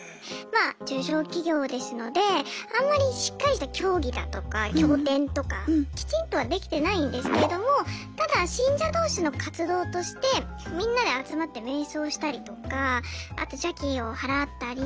まあ中小企業ですのであんまりしっかりした教義だとか教典とかきちんとはできてないんですけれどもただ信者同士の活動としてみんなで集まって瞑想したりとかあと邪気をはらったり。